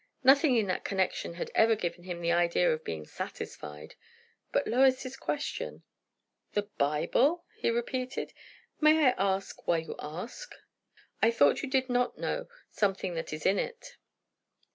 Nothing in that connection had ever given him the idea of being satisfied. But Lois's question "The Bible?" he repeated. "May I ask, why you ask?" "I thought you did not know something that is in it."